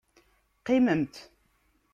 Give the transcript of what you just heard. Qqimemt.